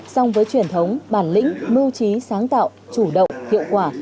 song với truyền thống bản lĩnh mưu trí sáng tạo chủ động hiệu quả